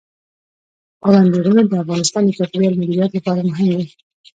پابندي غرونه د افغانستان د چاپیریال مدیریت لپاره مهم دي.